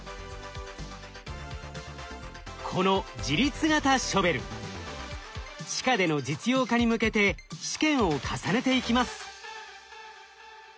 この自律型ショベル地下での実用化に向けて試験を重ねていきます。